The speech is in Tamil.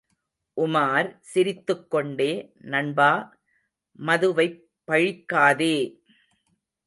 உமார் சிரித்துக்கொண்டே, நண்பா, மதுவைப் பழிக்காதே!